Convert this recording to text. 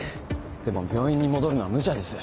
でも病院に戻るのはムチャです。